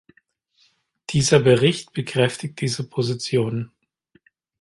Dieser Bericht bekräftigt diese Position.